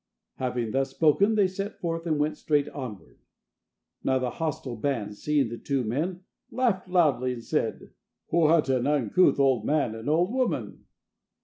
Having thus spoken they set forth and went straight onward. Now the hostile band, seeing the two men, laughed loudly, and said: "What an uncouth old man and old woman!"